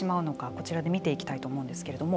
こちらで見ていきたいと思うんですけれども。